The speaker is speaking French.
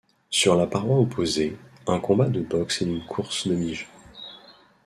Sur la paroi opposée, un combat de boxe et une course de biges.